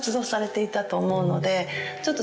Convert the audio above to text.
หรือสแรกสากกายละกาย